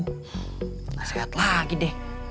kasiat lagi deh